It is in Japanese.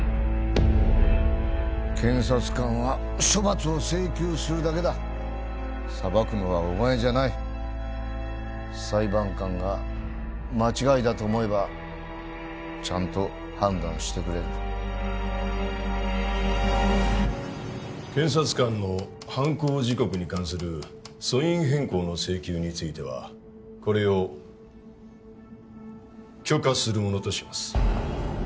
検察官は処罰を請求するだけだ裁くのはお前じゃない裁判官が間違いだと思えばちゃんと判断してくれる検察官の犯行時刻に関する訴因変更の請求についてはこれを許可するものとします